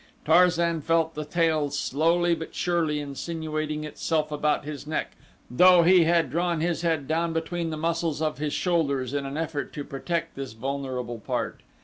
Tarzan felt the tail slowly but surely insinuating itself about his neck though he had drawn his head down between the muscles of his shoulders in an effort to protect this vulnerable part.